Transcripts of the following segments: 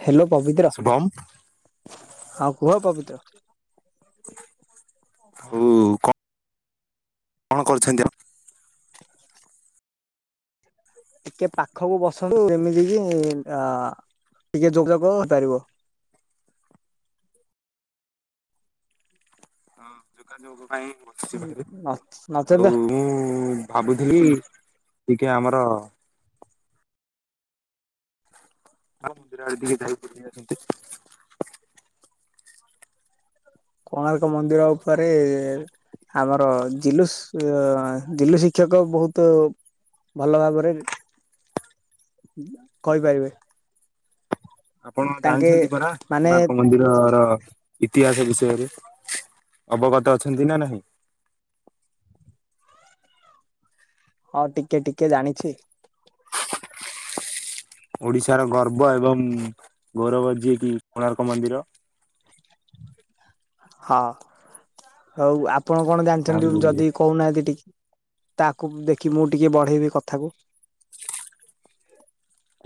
Hello Pabitra Shubham ଆଉ କୁହ ପବିତ୍ର । ହଉ କ କଣ କରୁଛନ୍ତି ଆ ଟିକେ ପାଖକୁ ବସନ୍ତୁ ଯେମିତି କି ଆଁ ଟିକେ ଯୋଗାଯୋଗ ହେଇପାରିବ । ହଁ ଯୋଗାଯୋଗ । ପାଇଁ ବସିଛି ବାହରେ ନଚେତ ଆଉ ମୁଁ ଭାବୁଥିଲି । ଟିକେ ଆମର । ନା ମ ମୁଦ ଦି ରା ଏଇଠି ଟିକେ ହେଲ୍ପ କରିଦେଇ ଆ [unintelligible] କୋଣାର୍କ ମନ୍ଦିର ଉପରେ ଆମର ଜିଲୁଶ ଆଁ ଜିଲୁ ଶିକ୍ଷକ ବହୁତ ଭଲ ଭାବରେ କହିପାରିବେ । ଆପଣ ଜାଣିଛନ୍ତି ପରା କୋଣାର୍କ ମନ୍ଦିରର ଇତିହାସ ବିଷୟରେ । ସୟରେ ଅବଗତ ଅଛନ୍ତି ନା ନାହିଁ । ହଁ ଟିକେ ଟିକେ ଜାଣିଛି। ଓଡିଶାର ଗର୍ବ ଏବଂ ଗୌରବ ଯିଏ । କି କୋଣାର୍କ ମନ୍ଦିର । ହଁ ହଉ ଆପ ଆପଣ କଣ ଜାଣିଛନ୍ତି ଆଉ ଯଦି କହୁନାହାନ୍ତି ଟିକେ । ତାକୁ ଦେଖି ମୁଁ ଟିକେ ବଢେଇବି କଥାକୁ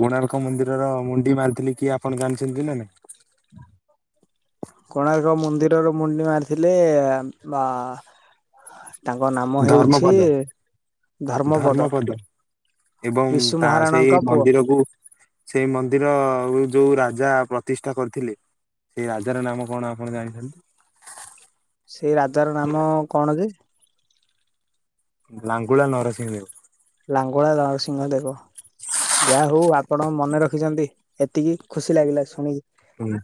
କୋଣାର୍କ ମନ୍ଦିରର ମୁଣ୍ଡି ମାରିଥିଲି, କିଏ ଆପ ପଣ ଜାଣିଛନ୍ତି ନା ନାଇଁ? କୋଣାର୍କ ମନ୍ଦିରର ମୁଣ୍ଡି ମାରିଥିଲେ ବା ତାଙ୍କ ନାମ ହେଉଛି ଧର୍ମପଦ। ଧର୍ମପଦ ଏବଂ ବିଶୁ ତା ମହାରାଣାଙ୍କ ସେଇ ପୁଅ। ମନ୍ଦିରକୁ ସେଇ ମନ୍ଦିର ଯଉ ରାଜା ପ୍ରତିଷ୍ଠା କରିଥିଲେ, ସେଇ ରାଜାର ନାମ କଣ ଆପଣ ଜାଣିଛନ୍ତି? ସେଇ ରାଜାର ନାମ କଣ ଯେ? ଲାଙ୍ଗୁଳା ନରସିଂହବ। ଲାଙ୍ଗୁଳା ନରସିଂହ ଦେବ। ଯାହା ହଉ ଆପଣ ମନେ ରଖିଚନ୍ତି ଏତିକି ଖୁସି ଲାଗିଲା ଶୁଣିକି। ହୁଁ।